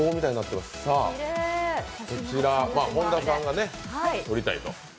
こちら、本田さんが撮りたいと。